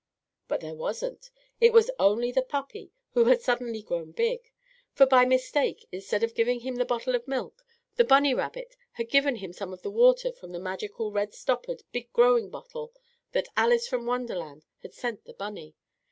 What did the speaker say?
But there wasn't. It was only the puppy who had suddenly grown big. For by mistake instead of giving him the bottle of milk, the bunny rabbit gave him some of the water from the magical red stoppered, big growing bottle that Alice from Wonderland had sent the bunny.